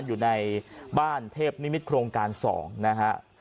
อยู่ในบ้านเทพนิมิตรโครงการ๒นะฮะ